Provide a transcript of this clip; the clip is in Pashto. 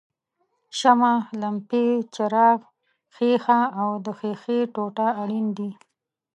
شمع، لمپې څراغ ښيښه او د ښیښې ټوټه اړین دي.